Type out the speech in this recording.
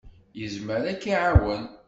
Yezmer ad k-iɛawen.